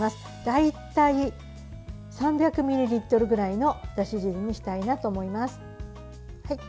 大体３００ミリリットルぐらいのだし汁にしたいなと思います。